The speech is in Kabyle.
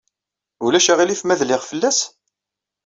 Ulac aɣilif ma dliɣ fell-as?